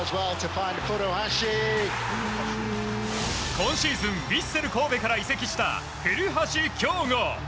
今シーズンヴィッセル神戸から移籍した古橋亨梧。